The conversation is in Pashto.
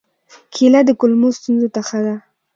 کېله د کولمو ستونزو ته ښه ده.